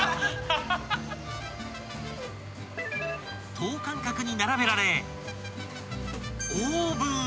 ［等間隔に並べられオーブンへ］